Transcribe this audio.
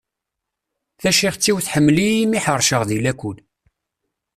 Tacixet-iw tḥemmel-iyi imi ḥerceɣ di lakul.